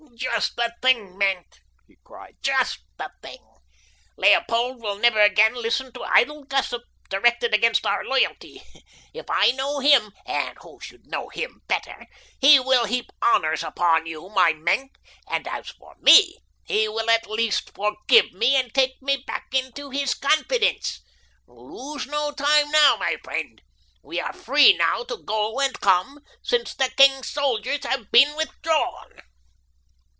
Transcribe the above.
"Just the thing, Maenck!" he cried. "Just the thing. Leopold will never again listen to idle gossip directed against our loyalty. If I know him—and who should know him better—he will heap honors upon you, my Maenck; and as for me, he will at least forgive me and take me back into his confidence. Lose no time now, my friend. We are free now to go and come, since the king's soldiers have been withdrawn."